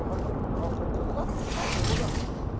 ああここだ。